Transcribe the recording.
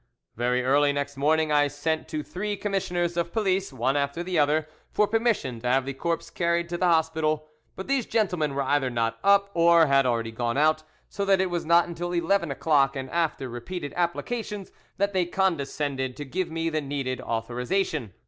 Very early next morning I sent to three commissioners of police, one after the other, for permission to have the corpse carried to the hospital, but these gentlemen were either not up or had already gone out, so that it was not until eleven o'clock and after repeated applications that they condescended to give me the needed authorisation.